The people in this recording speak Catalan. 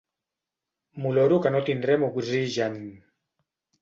M'oloro que no tindrem oxigen.